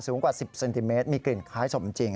กว่า๑๐เซนติเมตรมีกลิ่นคล้ายสมจริง